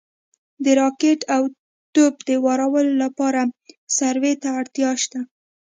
د راکټ او توپ د وارولو لپاره سروې ته اړتیا شته